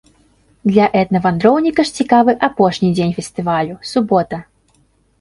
Для этнавандроўніка ж цікавы апошні дзень фестывалю, субота.